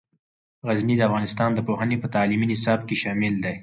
غزني د افغانستان د پوهنې په تعلیمي نصاب کې شامل دی.